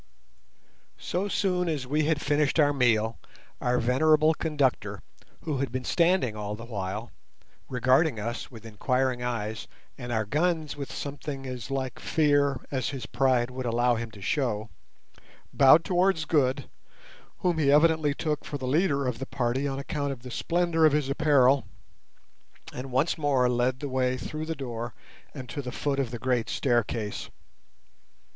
So soon as we had finished our meal our venerable conductor, who had been standing all the while, regarding us with inquiring eyes, and our guns with something as like fear as his pride would allow him to show, bowed towards Good, whom he evidently took for the leader of the party on account of the splendour of his apparel, and once more led the way through the door and to the foot of the great staircase.